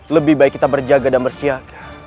lebih baik kita berjaga dan bersiap